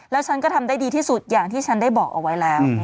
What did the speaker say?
แล้วฉันก็ทำได้ดีที่สุดอย่างที่ฉันได้บอกเอาไว้แล้ว